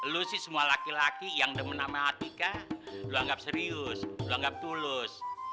lo sih semua laki laki yang demen sama atika lo anggap serius lo anggap tulus